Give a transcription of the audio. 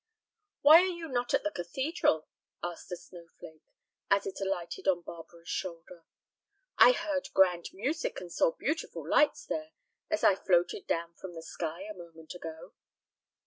"Why are you not at the cathedral?" asked a snowflake, as it alighted on Barbara's shoulder. "I heard grand music, and saw beautiful lights there as I floated down from the sky a moment ago."